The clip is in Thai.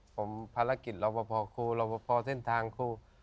ผมภารกิจลอบบัทครู้ลอบบัทเส้นทางครู้